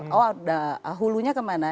oh hulunya kemana